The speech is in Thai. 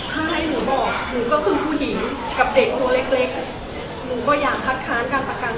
ถ้าให้หนูบอกหนูก็คือผู้หญิงกับเด็กตัวเล็กเล็กหนูก็อยากคัดค้านการประกัน